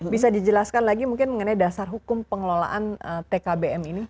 bisa dijelaskan lagi mungkin mengenai dasar hukum pengelolaan tkbm ini